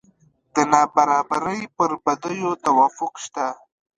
د نابرابرۍ پر بدیو توافق شته.